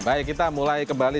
baik kita mulai kembali